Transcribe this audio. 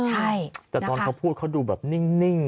ใช่แต่ตอนเขาพูดเขาดูแบบนิ่ง